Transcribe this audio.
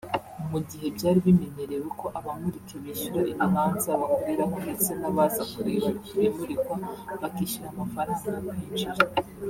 Mu gihe byari bimenyerewe ko abamurika bishyura ibibanza bakoreraho ndetse n’abaza kureba ibimurikwa bakishyura amafaranga yo kwinjira